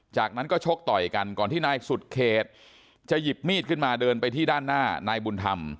จากนั้นก็ชกต่อยกันก่อนที่นายสุดเขตจะหยิบมีดขึ้นมาเดินไปที่ด้านหน้านายบุญธรรม